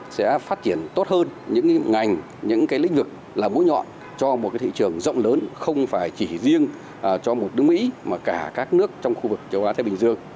sẽ phát triển tốt hơn những ngành những cái lĩnh vực là mũi nhọn cho một thị trường rộng lớn không phải chỉ riêng cho một nước mỹ mà cả các nước trong khu vực châu á thái bình dương